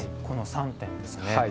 この３点ですね。